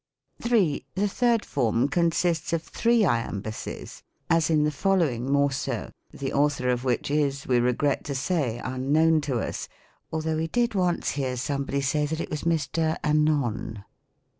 3. The thii'd form consists of three lamouses : as in the following morceau, the author of which is, we regret to say, unknown to us ; though we did once hear some body say that it was Mr. Anon.